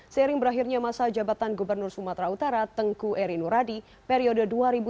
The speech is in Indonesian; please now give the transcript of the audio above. seiring berakhirnya masa jabatan gubernur sumatera utara tengku erinuradi periode dua ribu tiga belas dua ribu delapan belas